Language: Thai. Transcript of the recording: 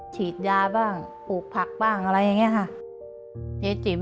ฉีดยาบ้างปลูกผักบ้างอะไรอย่างนี้ค่ะ